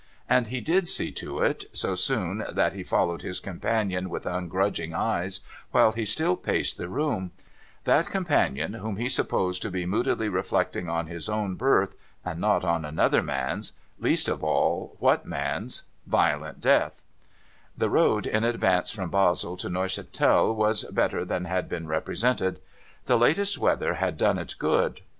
And he did see to it, so soon that he followed his companion with ungrudging eyes, while he still paced the room ; that companion, whom he supposed to be moodily reflecting on his own birth, and not on another man's — least of all what man's — violent Death, The road in advance from Basle to Neuchatel was better than had been represented. The latest weather had done it good.